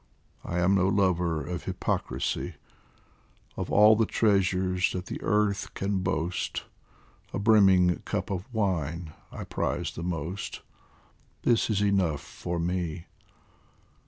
I am no lover of hypoci isy ; Of all the treasures that the earth can boast, A brimming cup of wine I prize the most This is enough for me